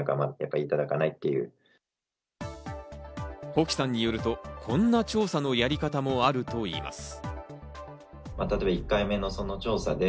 保木さんによると、こんな調査のやり方もあるといいます。